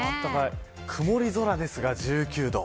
曇り空ですが、１９度。